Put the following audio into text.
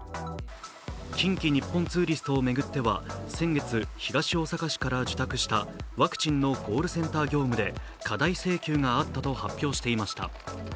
近畿日本ツーリストを巡っては先月、東大阪市から受託したワクチンのコールセンター業務で過大請求があったと発表していました。